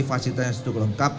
fasilitasnya cukup lengkap